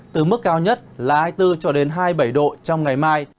từ mức cao nhất là hai mươi bốn cho đến hai mươi bảy độ trong ngày mai